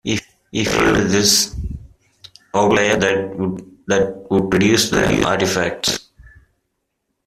If you tackled these outliers that would reduce the artifacts.